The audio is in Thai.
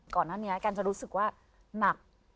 ก่อนหน้านี้กันจะรู้สึกว่าหนัก